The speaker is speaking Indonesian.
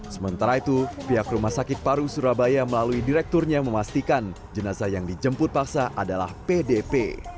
sementara itu pihak rumah sakit paru surabaya melalui direkturnya memastikan jenazah yang dijemput paksa adalah pdp